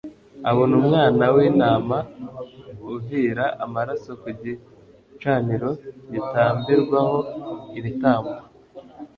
Abona umwana w'intama uvira amaraso ku gicaniro gitambirwaho ibitambo